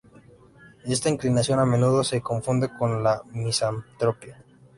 Esta inclinación a menudo se confunde con la misantropía.